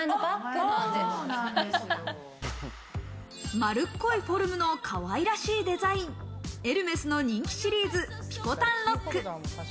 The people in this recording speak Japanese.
丸っこいフォルムのかわいらしいデザイン、エルメスの人気シリーズ、ピコタンロック。